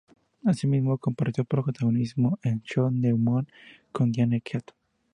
Asimismo compartió protagonismo en "Shoot the Moon" con Diane Keaton.